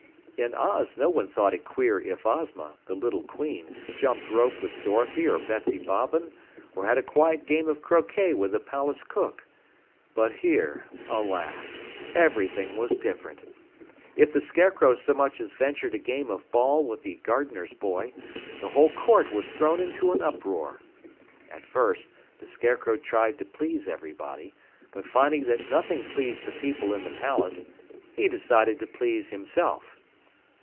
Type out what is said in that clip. "_ In Oz no one thought it queer if Ozma, the little Queen, jumped rope with Dorothy or Betsy Bobbin, or had a quiet game of croquet with the palace cook. But here, alas, everything was different. If the Scarecrow so much as ventured a game of ball with the gardener's boy, the whole court was thrown into an uproar. At first, the Scarecrow tried to please everybody, but finding that nothing pleased the people in the palace, he decided to please himself.